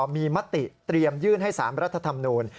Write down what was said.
มีมติเตรียมยื่นให้๓รัฐธรรมนูล